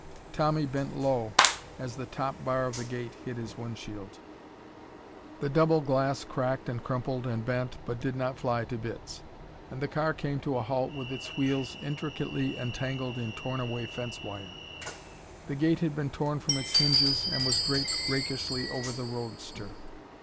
Tommy bent low as the top bar of the gate hit his windshield. The double glass cracked and crumpled and bent, but did not fly to bits. And the car came to a halt with its wheels intricately entangled in torn away fence wire. The gate had been torn from its hinges and was draped rakishly over the roadster.